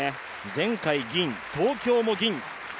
前回銀、東京も銀。